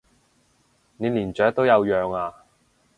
你連雀都有養啊？